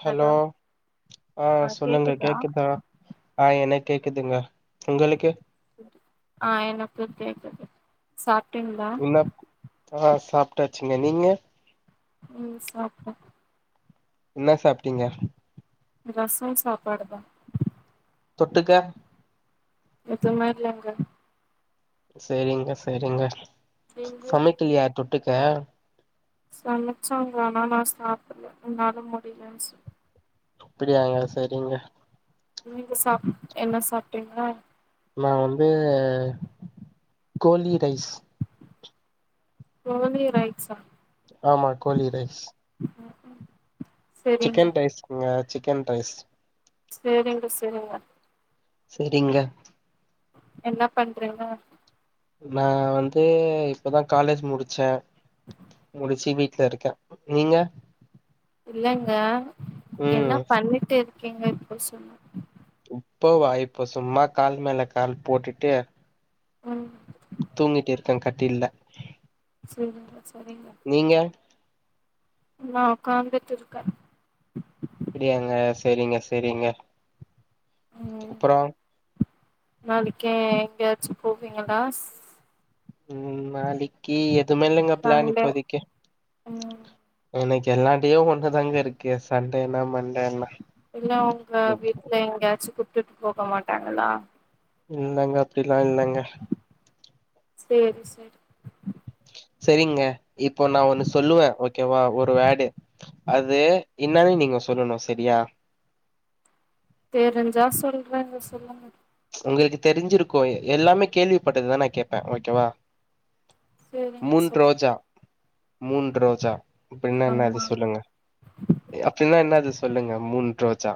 Hello ஆ சொல்லுங்க கேக்குதா ஆ எனக்கு கேக்குதுங்க உங்களுக்கு ஆ எனக்கு கேக்குது சாப்டிங்ளா என்ன ஆ சாப்ட்டாச்சுங்க நீங்க ம் சாப்டே என்ன சாப்ட்டீங்க ரசம் சாப்பாடு தா தொட்டுக்க எதுவுமே இல்லங்க சேரிங்க சேரிங்க நீங்க சமைக்கலையா தொட்டுக்க சமைச்சாங்க ஆனா நா சாப்டல என்னால முடியலன்னு சொல்லி அப்டியாங்க செரிங்க நீங்க சாப் என்ன சாப்ட்டீங்க நா வந்து கோழி ரைஸ் கோழி ரைட்சா ஆமா கோழி ரைஸ் செரிங்க சிக்கன் ரைஸ்ங்க சிக்கன் ரைஸ் செரிங்க செரிங்க செரிங்க என்ன பண்றீங்க நான் வந்து இப்பதா காலேஜ் முடிச்ச முடிச்சு வீட்ல இருக்க நீங்க இல்லங்க என்ன ம் பண்ணிட்டு இருக்கீங்க இப்ப சொன்னு இப்பவா இப்போ சும்மா கால் மேல கால் போட்டுட்டு ம் தூங்கிட்டு இருக்க கட்டில்ல சரிங்க சரிங்க நீங்க நா உக்காந்துட் இருக்க அப்டியாங்க செ ரிங்க செ ரிங்க ம் அப்ற நாளைக்கு எங்கயாச்சு போவீங்களாஸ் ம் நாளைக்கு எதுமே இல்லங்க பிளான் சண்டே இப்போதைக்கு ம் எனக்கு எல்லாடேயு ஒண்ணுதாங்க இருக்கு சண்டே என்னா மண்டே என்னா இல்ல உங்க வீட்ல எங்கயாச்சு கூப்ட்டு போக மாட்டாங்களா இல்லங்க அப்படிலா இல்லங்க சேரி சேரி சரிங்க இப்போ நா ஒன்னு சொல்லுவே ஓகேவா ஒரு வேர்டு அது என்னன்னு நீங்க சொல்லணு சரியா தெரிஞ்சா சொல்றேங்க சொல்லுங்க உங்களுக்கு தெரிஞ்சிருக்கு எல்லாமே கேள்விப்பட்டதுதா நா கேப்பே ஓகேவா சேரிங்க மூன் சொல்லுங்க ரோஜா மூன் ரோஜா அப்படின்னா என்ன அது ஆமா சொல்லுங்க அப்படின்னா என்னாது சொல்லுங்க மூன் ரோஜா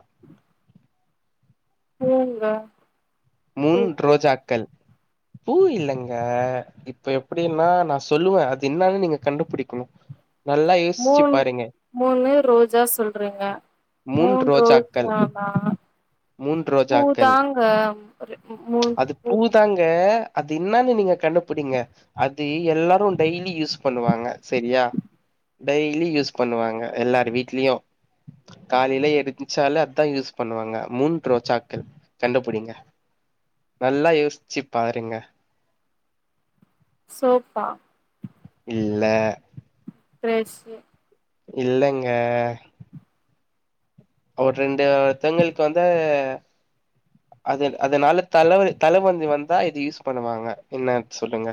போங்க மூன் ரோஜாக்கள் பூ இல்லங்க இப்ப எப்டின்னா நா சொல்லுவ அது என்னான்னு நீங்க கண்டுபிடிக்கணு நல்லா யோசிச்சு மூன் பாருங்க மூனு ரோஜா சொல்றங்க மூன் ரோஜா வா மூன் ரோஜாக் பூ தாங்க மூன் அது பூதாங்க அது என்னான்னு நீங்க கண்டுபிடிங்க அது எல்லாரு டெய்லி யூஸ் பண்ணுவாங்க செரியா டெய்லி யூஸ் பண்ணுவாங்க எல்லாரு வீட்லயு காலைல எரின்ச்சாலே அதா யூஸ் பண்ணுவாங்க மூன் ரோஜாக்கள் கண்டுபுடிங்க நல்லா யோசிச்சு பாருங்க சோப்பா இல்ல ப்ரஷ்ஷு இல்லங்க ஒரு ரெண்டு தெங்களுக்கு வந்து அது அதனால தலைவ தலைவந்தி வந்தா இது யூஸ் பண்ணுவாங்க என்ன சொல்லுங்க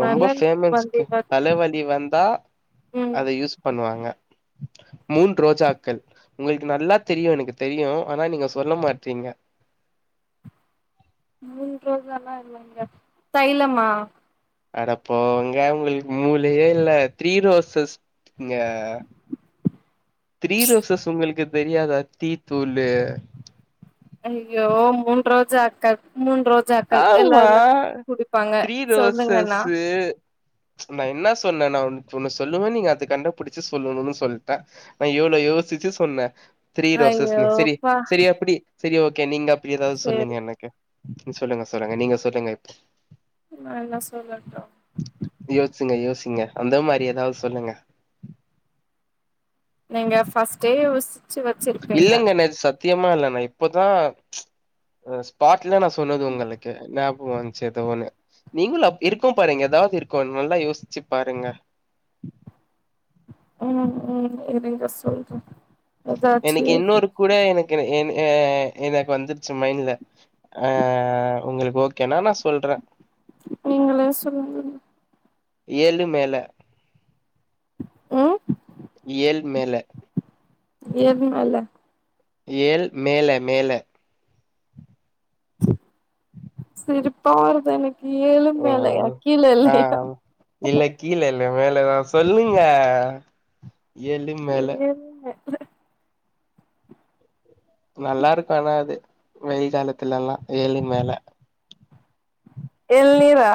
ரொம்ப வந்து ஃபேமன்ஸ்க் இவ தலைவலி வந்தா ம் அத யூஸ் பண்ணுவாங்க மூன் ரோஜாக்கள் உங்களுக்கு நல்லா தெரியு எனக்கு தெரியு ஆனா நீங்க சொல்ல மாட்றீங்க மூன் ரோஜானா என்னங்க தைலமா அட போங்க உங்களுக்கு மூளயே இல்ல த்ரீ ரோசஸ் ங்க த்ரீரோசஸ் உங்களுக்கு தெரியாதா டீத்தூளு அய்யோ மூன் ரோஜ அக்க மூ ரோஜாக்கள் ஆமா. எல்லாருமே குடிபாங்க சொல்லுங்கண்ணா து ச் நான் என்ன சொன்னேன நான் உனக்கு ஒன்னு சொல்லுவே நீங்க அது கண்டுபிடிச்சு சொல்லணுனு சொல்லிட்டே நான் எவ்வளவு யோசிச்சு சொன்னே த்ரீ ரோசஸ் சேரி ஐயோப்பா சேரி அப்டி சேரி ஓகே நீங்க அப்டி ஏதாவது சொல்லுங்க சேரி எனக்கு சொல்லுங்க சொல்லுங்க நீங்க சொல்லுங்க ஆ நா சொல்றதுதா நியோசுங்க யோசிங்க அந்த மாரி ஏதாது சொல்லுங்க நீங்க ஃபர்ஸ்ட்டே இல்லைங்க னது சத்யமா இல்ல நா இப்பதா ச் பாட்டுலா நா சொன்னது உங்களுக்கு ஞாப்க வந் சேதோ ஒன்னு நீங்களு அப் இருக்கு பாருங்க ஏதாது இருக்கு நல்லா யோசிச்சு பாருங்க ம் ம் இருங்க சொல்ற எதாச்சு எனிக்கு யோசிச்சு இன்னொரு கூட எனக்கு அ அ எனக்கு வந்துச்சு மைண்ல ஆ உங்களுக்கு ஓகேனா நா சொல்றே நீங்களே சொல்லுங்க ஏழு மேல உ ஏழு மேல ஏழு மல ஏழ் மேல மேல சிரிப்பா வருது எனக்கு ஏழு மேலாயா ம் கீழ ஆ இல்லையா இல்ல கீழே இல்ல மேலதா சொல்லுங்க ஏழு மேல ஏழு மேல நல்லா இருக்கு ஆனா அது வெயில் காலத்துல எல்லா ஏழு மேல எல்நீரா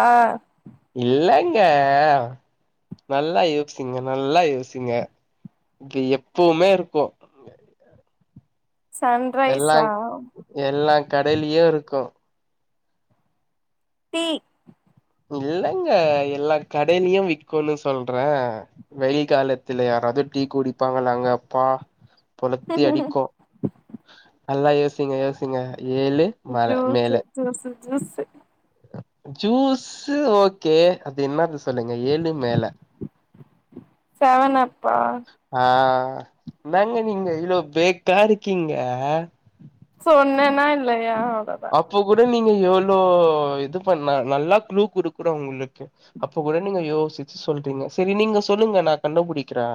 இல்லங்கா நல்லா யோச்சிங்க நல்லா யோசிங்க இங்க எப்போமே இருக்கு எல்லா சன்ரைஸ்ஸா எல்லா கடைலியு இருக்கு டீ இல்லைங்க எல்லா கடையிலு விக்குனு சொல்றே வெயில் காலதுல யாராவது டீ குடிப்பாங்களாங்க அப்பா கொலித்தி அடிக்கு நல்லா யோசிங்க யோசிங்க ஏலு juice juice juice juice okay அது என்னது சொல்லுங்க ஏலு மேல செவன் அப் பா ஆ என்னங்க நீங்க இவ்ளோ பேக்கா இருக்கீங்க சொன்னேனா இல்லையா அப்போ கூட நீங்க இவ்ளோ இது பண்ண நல்லா க்ளூ குடுக்குறோ உங்ளுக்கு அப்ப கூட நீங்க யோசிச்சு சொல்றீங்க சேரி நீங்க சொல்லுங்க நா கண்டுபுடிக்கிறே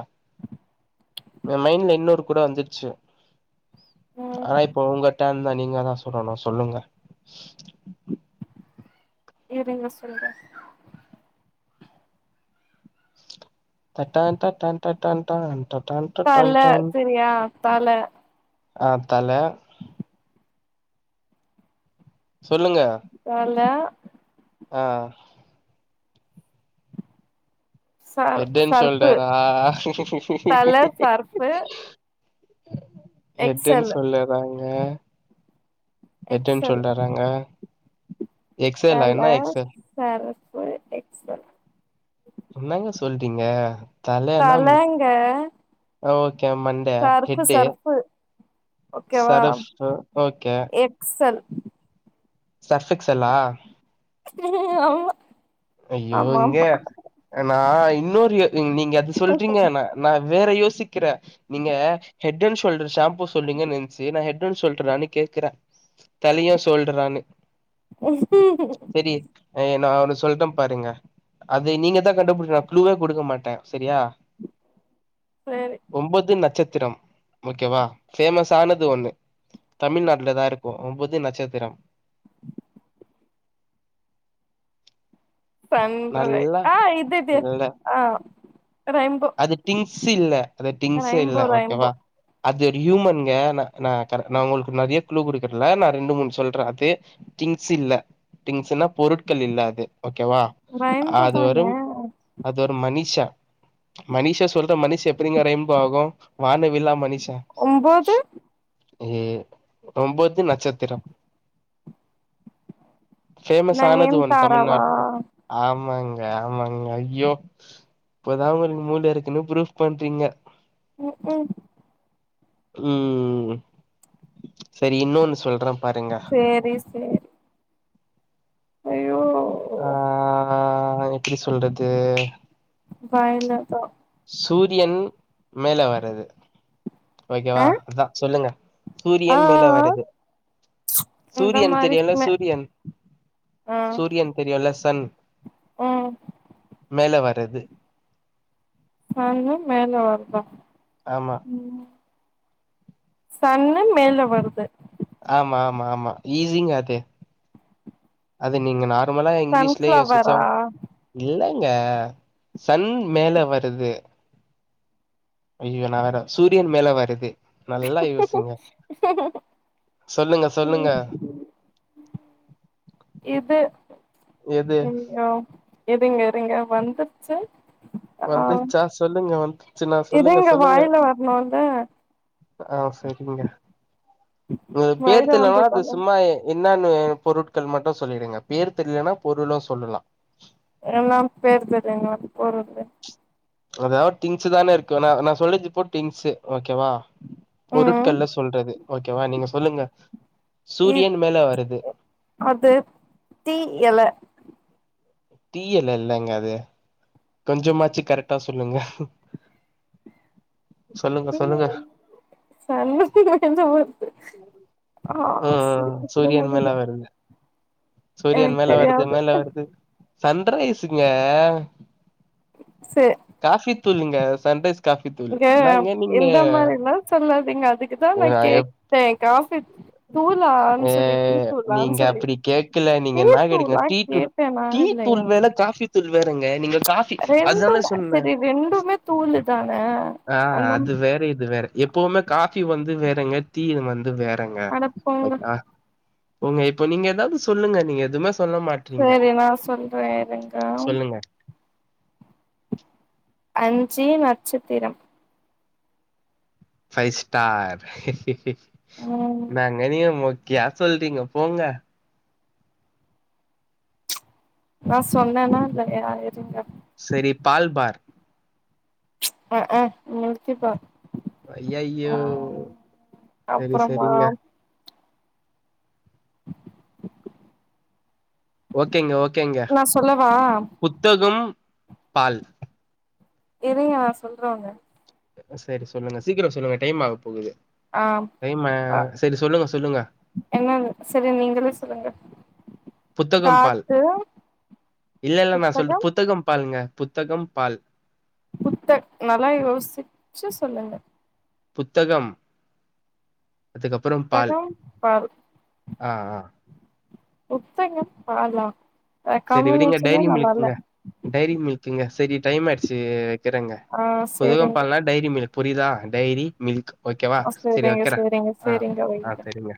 என் மைண்ல இன்னொரு க்ளூ வந்துச்சு ம் ஆனா இப்போ உங்க டேம் தான் நீங்க தா சொல்லணு சொல்லுங்க வேற என்ன சொல்ல தட்ட தட்ட தட அ தல சரியா தல ஆ தல சொல்லுங்க தல ஆ சர் ஹெட் அண்ட் சர்ஃபு ஷோல்டரா தல சர்ஃபு ஹெட் அண் எக்ஸலு ஷோல்டராங்க ஹெட்டன் எக்ஸல் ஷோல்டராங்க எக்ஸலா பல என்ன எக்ஸல் சரக்கு எக்ஸெல் என்னங்க சொல்றீங்க தலனா தலங்க ஓகே மண் சரப்பு சர்கப்பு ஓகேவா சர்ஃப் ஓகே எக்ஸல் சர்ஃப் எக்ஸெல்லா ஆமா ஐயோ ஆமா இங்க நா இன்னொரு நீங்க அது ஆமா சொல்றீங்கன நா வேற யோசிக்கிற நீங்க ஹெட் அண்ட் ஷோல்டர் ஷாம்பூ சொல்றீங்க நென்ச்சு நா ஹெட் ஹெட் அண்ட் ஷோல்டரானு கேக்குற தலையா ஷோல்டரானு செரி நா அவன்ன சொல்ட்டம் பாருங்க அது நீங்க தா கண்டுபிடிக்ணு க்லூவே குடுக்க மாட்ட சரியா சேரி ஒம்போது நச்சத்திரம் ஓக்கேவா ஃபேமஸ் ஆனது ஒன்னு தமிழ்நாட்ல தா இருக்கு ஒம்பது நட்சத்திரம் சண்ரை நல்லா ஆ இதுது இல்ல ஆ ரெயின்போ அது திங்ஸ் இல்ல அது திங்ஸே இல்ல ரெயின்போ ஓகேவா ரெயின்போ அது ஒரு ஹியூமன்ங்க ந நா கர நா உங்கள்க்கு நெறைய க்லு குடுக்கறல நா ரெண்டு மூண் சொல்ற அது திங்ஸ் இல்ல திங்ஸ் இல்ல பொருட்கள் இல்ல அது ஓகேவா ரெயின்போ அது தான வரும் அது ஒரு மனுஷ மனுஷ சொல்ற மனுஷ எப்டிங்க ரம்ப ஆகு வானவில்லா மனுஷ ஒம்போது ஏ ஓம்போது நட்சத்திரம் ஃபேமஸ் ஆனது ஒன் நயன்தாராவா தமிழ்நாட்ல ஆமாங்க ஆமாங்க ஐயோ இப்பதா ஒரு மூள இருக்குன்னு ப்ரூஃப் பண்றீங்க ம் ம் ம் சரி இன்னொன்னு சொல்றம் சேரி சேரி ஐயோ ஆ எப்டி சொல்றது வாய்ல தா சூரியன் மேல வர்ரது ஆ ஓகேவா அதா சொல்லுங்க ஆ சூரியன் மேல ஆ வருது இந்த சூரியன் மாரி தெரியுன்ல மே சூரியன் சூரியன் தெரியுன்ல சன் ஆ மேல வரது சன்னு மேல வருதா ஆமா சன்னு மேல வருது ஆமா ஆமா ஆமா ஈஸிங்க அது அது நீங்க நா நம்மலா இங்கிலிஷ்லே யோசிச்சோ சன்ஃப்ளவரா இல்லங்க சன் மேல வருது ஐயோ நா வேற சூரியன் மேல வருது நல்லா யோசிங்க சொல்லுங்க சொல்லுங்க ம் இது எது ம் யா இருங்க இருங்க வந்துச்சு வந்துச்சா சொல்லுங்க வந்துச்சுனா சொல்லுங்க இதுங்க சொல்லுங்க வாயில வரணுல்ல ஆ சரிங்க உங்க பேர் வாயில தெர்லேனா அது வந்ததால சும்மாயே என்னானு பொருட்கள் மட்டும் சொல்லிடுங்க பேர் தெரிலேனா பொருளோ சொல்லலாம் என்னான் பேர் தெர்லங்க [inaudible] போற எதாயாவ் திங்ஸு தானே இருக்கு ந அத நா சொல்லி ருப்போ திங்ஸு ஓகேவா ம் பொருட்கள்ளு சொல்றது ஓகேவா நீங்க சொல்லுங்க இ சூரியன் மேல வருது அது தீ எல தீ எல இல்லங்க அது கொஞ்சமாச்சி கரெட்டா சொல்லுங்க சொல்லுங்க டீ சொல்லுங்க சன்னதி மேல வருது ம் ஆ ம் ம் சிரிக்க கூட சூரியன் மேல முடியல வருது சூரியன் எனக்கு மேல வருது தெரியாது மேல வருது சன்ரைஸுங்க சே காஃபி தூளுங்க சன்ரைஸ் காஃபி தூள் இங்க என்னாங்க நீங்க இந்த மாதிரிலாம் சொல்லாதீங்க அதுக்குதான் நா கேக் டே காஃபி தூளான் ஏ சொல்லி டீ தூளா நீங்க சொல்லி அப்டி கேக்கல நீங்க டீ என்னா தூள் கேட்டீங்க வாங் டீ கே தூள் டீ தூள் வேற காஃபி தூள் வேறங்க நீங்க காஃபி அதுதான ரெண்டும் சொன்ன சரி ரெண்டுமே தூளு தான ஆ அந்த அது வேற இது வேற எப்பவுமே காஃபி வந்து வேறங்க டீ வந்து வேறங்க அட போங்க ஓக்வா உங்க இப்போ நீங்க ஏதாது சொல்லுங்க நீங்க எதுமே சொல்ல மாட் சேரி நா சொல்ற இருங்க சொல்லுங்க அஞ்சி நட்சத்திரம் ஃபை ஸ்டார் ஹி ஹி ஹி ம் நாங் நீங்க மொக்கயா சொல்றீங்க போங்க நா சொன்னன்னா இல்லயா [inaudible] இருங்க சரி பால் பார் அ அ மில்கி பார் ஐயையோ ஆ செரி அப்புறமா செரிங்க ஓகேங்க ஓகேங்க நா சொல்லவா புத்தகம் பால் இருயா சொல்றாங்க சரி சொல்லுங்க சீக்கிர சொல்லுங்க டைம் ஆக போகுது ஆ டைம் ம சரி சொல்லுங்க சொல்லுங்க என்னானு சரி நீங்களே சொல்லுங்க புத்தகம் பால் காத்து இல்ல இல்ல நா சொல் புத்தகம் பால்ங்க புத்தகம் பால் புத்த நல்லா யோசிச்சு சொல்லுங்க புத்தகம் அதுக்கப்புறம் பால் புத்தகம் பல் ஆ ஆ புத்தங்கம் பாலா அ சரி விடுங்க காம்பினேஷனே டைரி நல்லால்ல மில்க்குங்க டைரி மில்குங்க சரி டைம் ஆயிடுச்சி வைக்கறேங்க ஆ புது ம் சேரிங்க பால்னா டைரி மில்க் புரியுதா டைரி மில்க் ஓகேவா ஆ சரி சேரிங்க வைக்கற சேரிங்க ஆ சேரிங்க ஆ வைங்க செரிங்க